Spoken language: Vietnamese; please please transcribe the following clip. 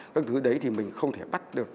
các thứ đấy thì mình không thể bắt được